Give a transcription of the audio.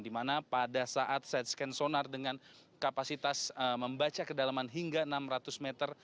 di mana pada saat side scan sonar dengan kapasitas membaca kedalaman hingga enam ratus meter